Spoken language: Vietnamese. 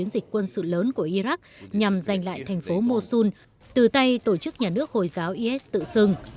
về sự lớn của iraq nhằm giành lại thành phố mosul từ tay tổ chức nhà nước hồi giáo is tự xưng